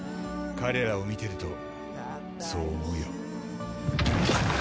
彼らを見てるとそう思うよ。